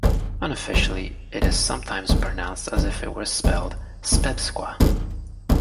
Unofficially, it is sometimes pronounced as if it were spelled "Spebsqua".